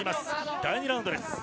第２ラウンドです。